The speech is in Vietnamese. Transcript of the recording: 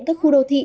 các khu đô thị